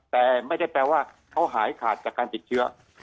แต่ไม่ได้แปลว่าเขาหายขาดจากการติดเชื้อ